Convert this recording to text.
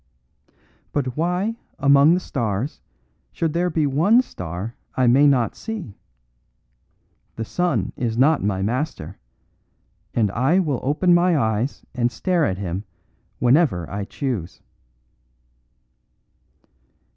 But why among the stars should there be one star I may not see? The sun is not my master, and I will open my eyes and stare at him whenever I choose."